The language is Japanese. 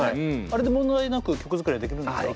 あれで問題なく曲作りができるんですか？